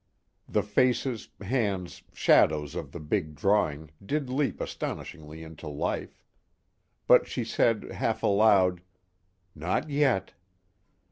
The faces, hands, shadows of the big drawing did leap astonishingly into life; but she said half aloud: "Not yet."